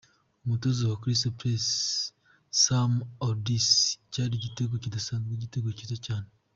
Umutoza wa Crystal Palace, Sam Allardyce: Cyari igitego kidasanzwe, igitego cyiza cyane.